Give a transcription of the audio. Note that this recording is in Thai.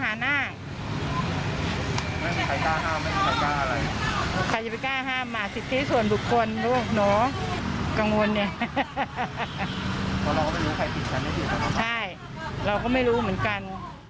ใช่เราก็ไม่รู้เหมือนกัน